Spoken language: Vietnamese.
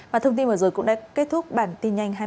và thông tin vừa rồi cũng đã kết thúc bản tin nhanh hai mươi h